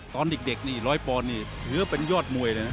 ตอนเด็กนี่ร้อยปอนด์นี่ถือเป็นยอดมวยเลยนะ